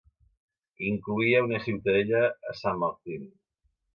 Incloïa una ciutadella a Saint Martin.